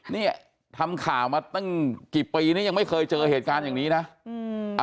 นี่ทำข่าวเกี่ยวกับตั้งกี่ปียังไม่เคยเจอเหตุการณ์แบบนี้นะ